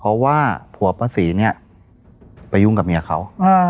เพราะว่าผัวป้าศรีเนี่ยไปยุ่งกับเมียเขา